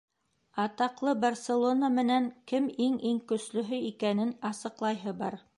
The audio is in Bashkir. Атаҡлы «Барселона» менән кем иң-иң көслөһө икәнен асыҡлайһы бар.